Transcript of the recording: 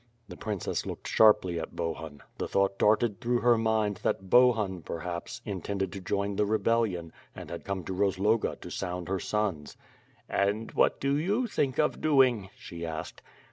The princess loked sharply at Bohun. The thought darted through her mind that Bohun, perhaps, intended to join the rebellion, and had come to Rozloga to sound her sons. "And what do you think of doing," she asked.